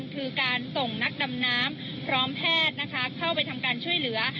คือการส่งนักดำน้ำพร้อมแพทย์เข้าไปทำการช่วยเหลือ